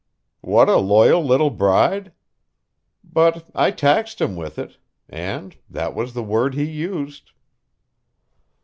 "What a loyal little bride? But I taxed him with it. And that was the word he used...."